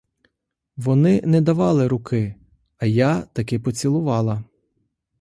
Вони не давали руки, а я таки поцілувала!